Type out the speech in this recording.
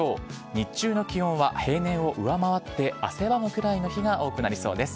日中の気温は平年を上回って、汗ばむくらいの日が多くなりそうです。